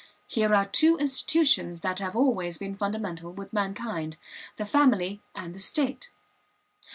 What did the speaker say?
Here are two institutions that have always been fundamental with mankind, the family and the state.